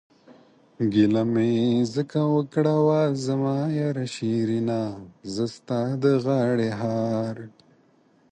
گيله مې ځکه اوکړه وا زما ياره شيرينه، زه ستا د غاړې هار...